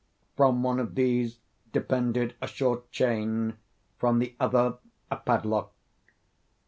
From one of these depended a short chain, from the other a padlock.